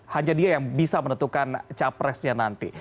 hanya dia yang bisa menentukan capresnya nanti